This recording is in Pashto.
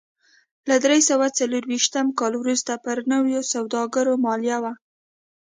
له درې سوه څلرویشت کال وروسته پر نویو سوداګرو مالیه و